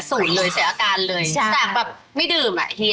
ก็เพียงแค่ว่าไม่ได้ส่งบ้านมา๒ปี